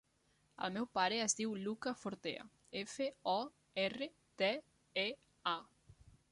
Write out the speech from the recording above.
El meu pare es diu Luka Fortea: efa, o, erra, te, e, a.